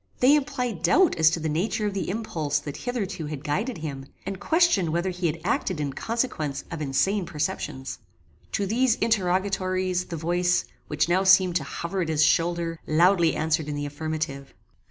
They implied doubt as to the nature of the impulse that hitherto had guided him, and questioned whether he had acted in consequence of insane perceptions. To these interrogatories the voice, which now seemed to hover at his shoulder, loudly answered in the affirmative.